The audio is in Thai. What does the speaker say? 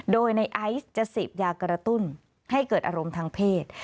โดยในไอซ์จะเสพยากระตุ้นให้เกิดอารมณ์ทางเพศ